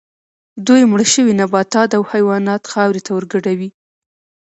دوی مړه شوي نباتات او حیوانات خاورې ته ورګډوي